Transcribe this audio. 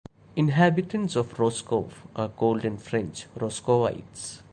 Inhabitants of Roscoff are called in French "Roscovites".